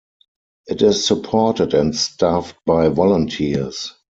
It is supported and staffed by volunteers.